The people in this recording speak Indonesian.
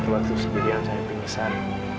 waktu sejujurnya yang saya pengesan